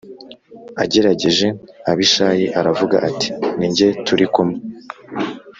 agerereje Abishayi aravuga ati Ni jye turikumwe